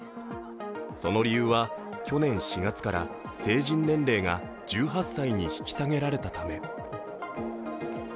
その理由は、去年４月から成人年齢が１８歳に引き下げられたため。